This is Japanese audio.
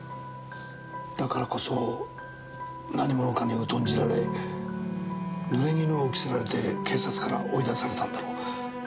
だからこそ何者かに疎んじられ濡れ衣を着せられて警察から追い出されたんだろう。